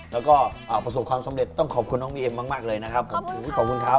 แล้วก็ประสบความสำเร็จต้องขอบคุณน้องบีเอ็มมากเลยนะครับผมขอบคุณครับ